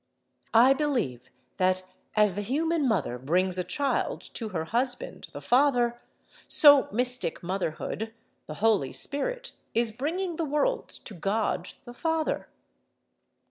I believe that, as the human mother brings a child to her husband, the father—so Mystic Motherhood, the Holy Spirit, is bringing the world to God, the Father.